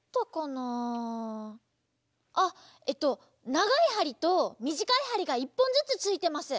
ながいはりとみじかいはりが１ぽんずつついてます。